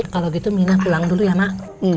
kalo gitu minah pulang dulu ya emak